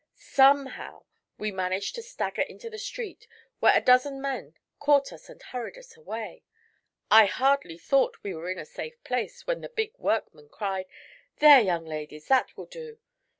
Somehow we managed to stagger into the street, where a dozen men caught us and hurried us away. I hardly thought we were in a safe place when the big workman cried: 'There, young ladies; that will do.